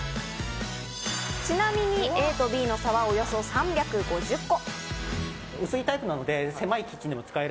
ちなみにＡとＢの差はおよそ３５０個。